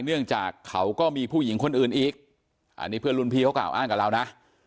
เนื่องจากเขาก็มีผู้หญิงคนอื่นอีกอันนี้เพื่อนรุ่นพี่เขากล่าวอ้างกับเรานะ